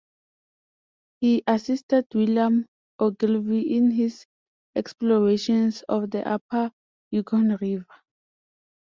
He assisted William Ogilvie in his explorations of the upper Yukon River.